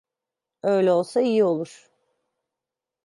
Öyle olsa iyi olur.